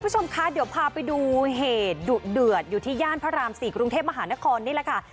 คุณผู้ชมคะเดี๋ยวพาไปดูเหตุดุเดือดอยู่ที่ย่านพระราม๔กรุงเทพมหานครนี่แหละค่ะ